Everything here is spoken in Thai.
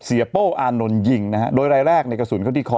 โป้อานนท์ยิงนะฮะโดยรายแรกในกระสุนเข้าที่คอ